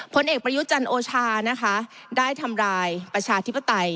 ผลเอกประยุจันทร์โอชานะคะได้ทำรายประชาธิปไตย